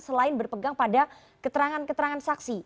selain berpegang pada keterangan keterangan saksi